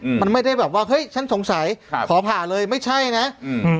อืมมันไม่ได้แบบว่าเฮ้ยฉันสงสัยครับขอผ่าเลยไม่ใช่นะอืม